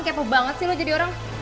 kepo banget sih lo jadi orang